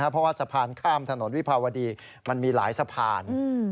เพราะว่าสะพานข้ามถนนวิภาวดีมันมีหลายสะพาน